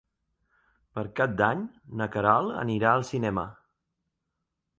Per Cap d'Any na Queralt anirà al cinema.